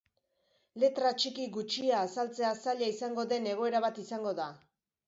Letra txiki gutxia azaltzea zaila izango den egoera bat izango da.